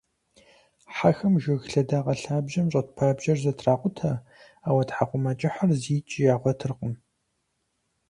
Хьэхэм жыг лъэдакъэ лъабжьэм щӀэт пабжьэр зэтракъутэ, ауэ тхьэкӀумэкӀыхьыр зикӀ ягъуэтыркъым.